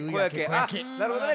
あっなるほどね。